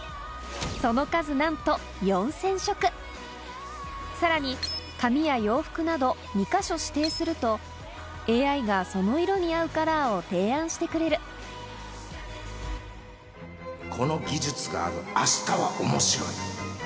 その数なんとさらに髪や洋服など２か所指定すると ＡＩ がその色に合うカラーを提案してくれるこの技術がある明日は面白い